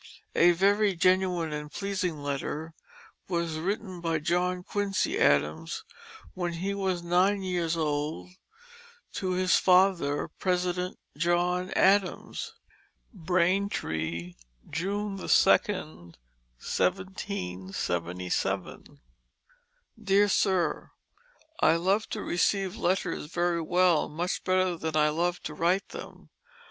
A very genuine and pleasing letter was written by John Quincy Adams when he was nine years old to his father, President John Adams: "BRAINTREE, June the 2nd, 1777. "DEAR SIR: I love to receive letters very well, much better than I love to write them.